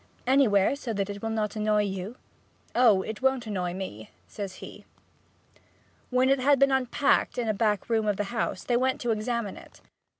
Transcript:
'Anywhere, so that it will not annoy you.' 'Oh, it won't annoy me,' says he. When it had been unpacked in a back room of the house, they went to examine it.